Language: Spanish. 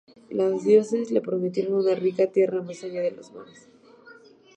Los dioses le prometieron una rica tierra más allá de los mares.